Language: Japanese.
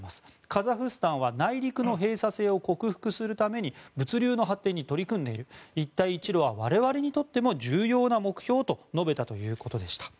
カザフスタンは内陸の閉鎖性を克服するために物流の発展に取り組んでいる一帯一路は我々にとっても重要な目標と述べたということでした。